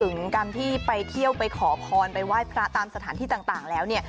ถึงการที่ไปเที่ยวไปขอพรไปไหว้พระตามสถานที่ต่างแล้วเนี่ย